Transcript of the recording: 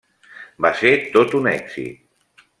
Va ser tot un èxit.